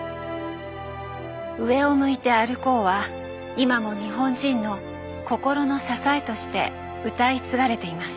「上を向いて歩こう」は今も日本人の心の支えとして歌い継がれています。